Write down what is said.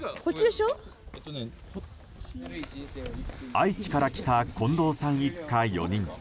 愛知から来た近藤さん一家４人。